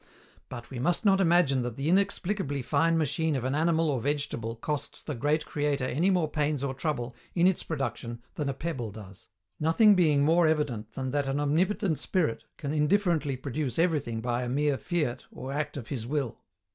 But, we must not imagine that the inexplicably fine machine of an animal or vegetable costs the great Creator any more pains or trouble in its production than a pebble does; nothing being more evident than that an Omnipotent Spirit can indifferently produce everything by a mere fiat or act of His will.